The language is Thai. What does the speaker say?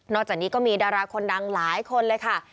จากนี้ก็มีดาราคนดังหลายคนเลยค่ะ